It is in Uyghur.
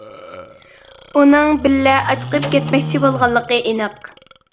ئۇنىڭ بىللە ئاچىقىپ كەتمەكچى بولغانلىقى ئېنىق.